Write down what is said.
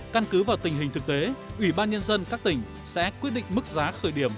căn cứ vào tình hình thực tế ủy ban nhân dân các tỉnh sẽ quyết định mức giá khởi điểm